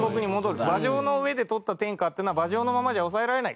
馬上の上で取った天下っていうのは馬上のままじゃ治められない。